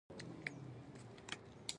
دا مبارزه په ټوله نړۍ کې ممکنه ده.